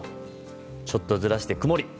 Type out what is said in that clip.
ちょっとずらして、曇り。